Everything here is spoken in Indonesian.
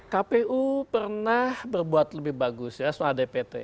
kpu pernah berbuat lebih bagus ya soal dpt